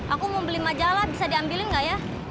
aku mau beli majalah bisa diambilin gak ya